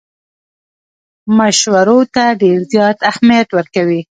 مشورو ته ډېر زیات اهمیت ورکوي.